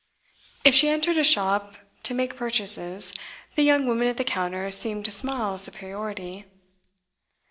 If she entered a shop to make purchases, the young women at the counter seemed to smile superiority.